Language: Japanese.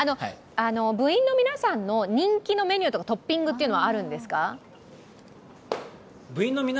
部員の皆さんの人気のメニューとかトッピングってあるんですか？